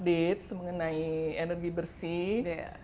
semakin terupdate mengenai energi bersih